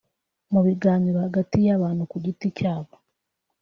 mu biganiro hagati y’abantu ku giti cyabo